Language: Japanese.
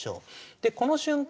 でこの瞬間